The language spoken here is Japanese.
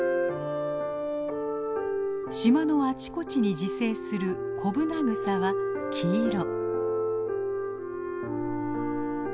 島のあちこちに自生するコブナグサは黄色。